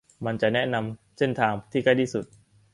มันจะแนะนำเส้นทางที่ใกล้ที่สุด